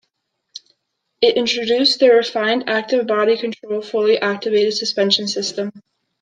It introduced the refined Active Body Control fully active suspension system.